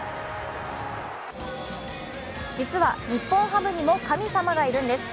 実は、日本ハムにも神様がいるんです。